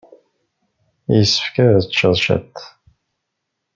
Yessefk ad tecceḍ cwiṭ.